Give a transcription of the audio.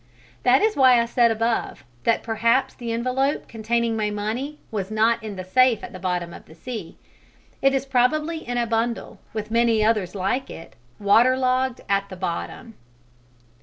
That is why I said above that perhaps the envelope containing my money was not in the safe at the bottom of the sea: it is probably in a bundle, with many others like it, waterlogged at the bottom.